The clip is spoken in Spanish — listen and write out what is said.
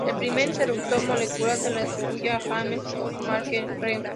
El primer interruptor molecular se le atribuye a James Tour y Mark Reed.